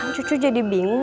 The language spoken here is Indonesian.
kan cucu jadi bingung